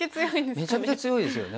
めちゃめちゃ強いですよね。